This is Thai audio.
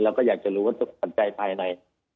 เราก็อยากจะรู้ว่าปัจจัยภายใน